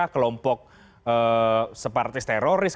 kelompok separatis teroris